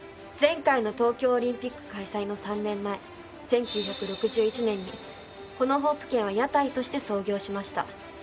前回の東京オリンピック開催の３年前１９６１年にこのホープ軒は屋台として創業しました。